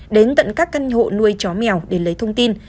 đến tận các căn hộ nuôi chó mèo để lấy thông tin